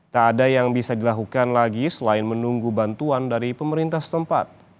tak ada yang bisa dilakukan lagi selain menunggu bantuan dari pemerintah setempat